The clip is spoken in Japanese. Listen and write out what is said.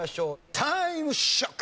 タイムショック！